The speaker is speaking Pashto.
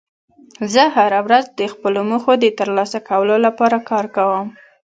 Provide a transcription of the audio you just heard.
زه هره ورځ د خپلو موخو د ترلاسه کولو لپاره کار کوم